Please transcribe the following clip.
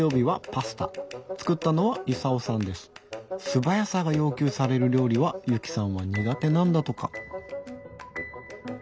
素早さが要求される料理はゆきさんは苦手なんだとか。